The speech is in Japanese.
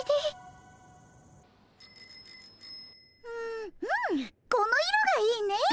うんうんこの色がいいね。